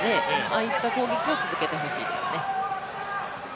あいった攻撃を続けてほしいですね。